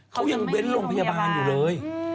เขายังเว้นโรงพยาบาลอยู่เลย